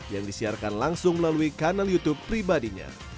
yang disiarkan langsung melalui kanal youtube pribadinya